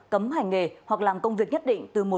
cấm hành nghề hoặc làm công việc nhất định